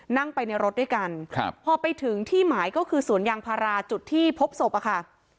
นั่งไปในรถด้วยกันครับพอไปถึงที่หมายก็คือสวนยางพาราจุดที่พบศพอะค่ะ